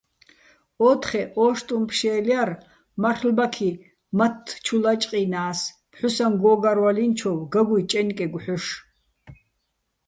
ო́თხე ო́შტუჼ ფშე́ლ ჲარ, მარლ'ბაქი მათთ ჩუ ლაჭყჲინა́ს, ფჴუსაჼ გო́გარვალინჩოვ გაგუჲ ჭაჲნკეგო̆ ჰ̦ოშ.